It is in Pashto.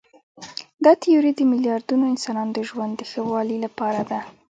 دا تیوري د میلیاردونو انسانانو د ژوند د ښه والي لپاره ده.